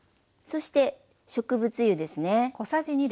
そして植物油ですね。